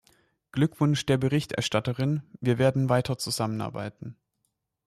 Glückwunsch der Berichterstatterin wir werden weiter zusammenarbeiten.